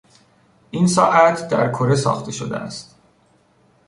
این ساعت در کره ساخته شده است.